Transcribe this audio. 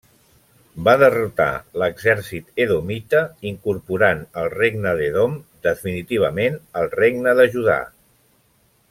Va derrotar l'exèrcit edomita incorporant el regne d'Edom definitivament al regne de Judà.